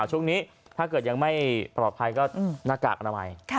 ช่วงนี้ถ้าเกิดยังไม่ปลอดภัยก็หน้ากากอนามัย